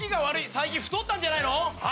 最近太ったんじゃないの？は？